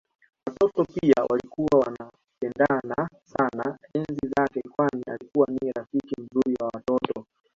Watoto pia walikuwa wanampenda sana enzi zake kwani alikuwa ni rafiki mzuri wa watoto